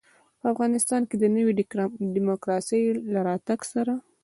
په افغانستان کې د نوي ډيموکراسۍ له راتګ سره.